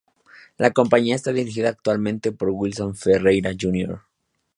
La compañía está dirigida actualmente por Wilson Ferreira Junior.